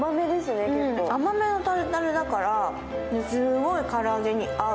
甘めのタルタルだから、すごい唐揚げに合う。